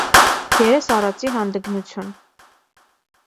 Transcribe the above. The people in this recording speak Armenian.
երես առածի հանդգնություն.